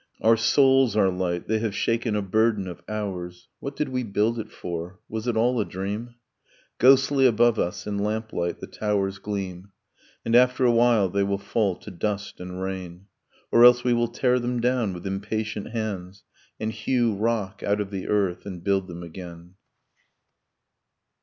Our souls are light; they have shaken a burden of hours ... What did we build it for? Was it all a dream? ... Ghostly above us in lamplight the towers gleam ... And after a while they will fall to dust and rain; Or else we will tear them down with impatient hands; And hew rock out of the earth, and build them again.